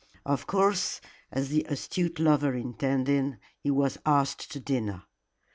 Of course, as the astute lover intended, he was asked to dinner.